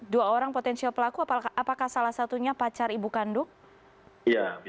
dua orang potensial pelaku apakah salah satunya pacar ibu kandung